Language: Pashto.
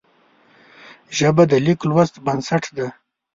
ژبه د لیک لوست بنسټ ده